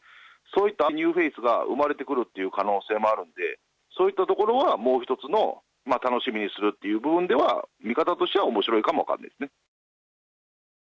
そういったニューフェースが生まれてくる可能性もあると思うのでそういったところはもう１つの楽しみにするという部分では見方としては面白いかも分からないですね。